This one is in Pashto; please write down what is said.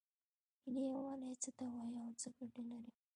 ملي یووالی څه ته وایې او څه ګټې لري؟